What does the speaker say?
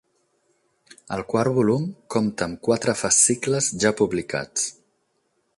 El quart volum compta amb quatre fascicles ja publicats.